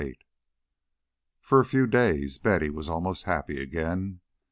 N. VIII For a few days Betty was almost happy again.